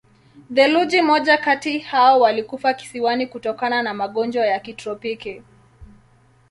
Theluji moja kati hao walikufa kisiwani kutokana na magonjwa ya kitropiki.